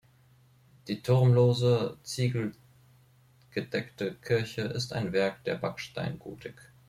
Die turmlose, ziegelgedeckte Kirche ist ein Werk der Backsteingotik.